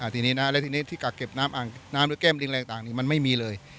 ทีนี้นะแล้วทีนี้ที่กักเก็บน้ำอ่างน้ำหรือแก้มลิงอะไรต่างมันไม่มีเลย